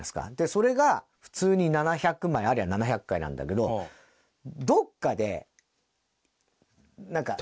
それが普通に７００枚ありゃ７００回なんだけどどっかでなんか。